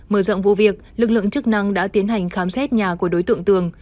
mở rộng vụ việc lực lượng chức năng đã tiến hành khám xét nhà của đối tượng tường